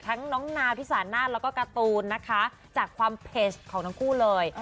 ทั้งน้องนาพิสานาแล้วก็การ์ตูนนะคะจากความเผ็ดของทั้งคู่เลย